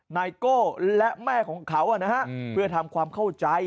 นายโก้และแม่ของเขานะฮะเพื่อทำความเข้าใจ